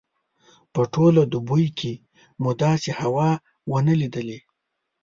په ټوله دوبي کې مو داسې هوا نه وه لیدلې.